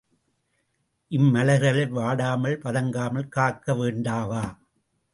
இம்மலர்களை வாடாமல் வதங்காமல் காக்க வேண்டாவா?